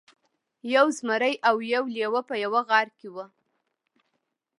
یو زمری او یو لیوه په یوه غار کې وو.